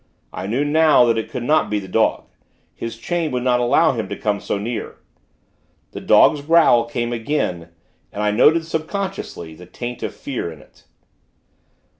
I knew, now, that it could not be the dog; his chain would not allow him to come so near. The dog's growl came again, and I noted, subconsciously, the taint of fear in it.